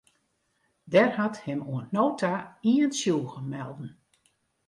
Der hat him oant no ta ien tsjûge melden.